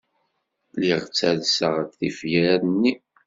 Lliɣ ttalseɣ-d tifyar-nni.